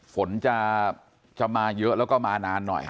ฝนจะมาเยอะแล้วก็มานานหน่อย